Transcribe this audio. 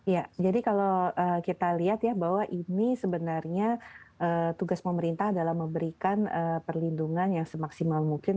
ya jadi kalau kita lihat ya bahwa ini sebenarnya tugas pemerintah dalam memberikan perlindungan yang semaksimal mungkin